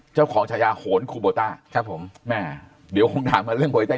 เจ้าของฉายาโหนคูโบต้าครับผมแม่เดี๋ยวคงถามมาเรื่องหัวใจ